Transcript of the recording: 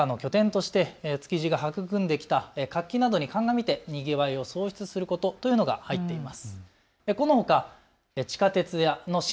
食文化の拠点として築地が育んできた活気などに鑑みてにぎわいを創出することというのが入っています。